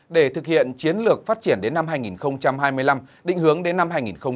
để thực hiện chiến lược phát triển đến năm hai nghìn hai mươi năm định hướng đến năm hai nghìn ba mươi